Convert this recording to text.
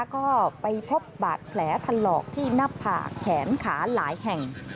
ก็ไปพบบาดแผลถลอกที่หน้าผากแขนขาหลายแห่ง